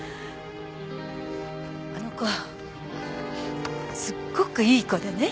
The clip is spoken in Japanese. あの子すっごくいい子でね。